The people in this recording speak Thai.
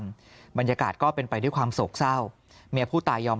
บรรยากาศก็เป็นไปด้วยความโศกเศร้าเมียผู้ตายยอม